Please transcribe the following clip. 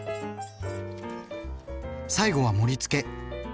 最後は盛り付け。